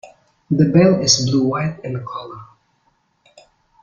The bell is blue-white in colour.